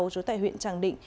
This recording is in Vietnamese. trú tại huyện tràng định